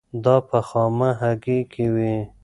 دا په خامه هګۍ کې وي.